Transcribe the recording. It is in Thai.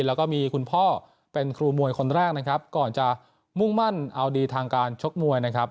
แล้วก็มีคุณพ่อเป็นครูมวยคนแรกนะครับก่อนจะมุ่งมั่นเอาดีทางการชกมวยนะครับ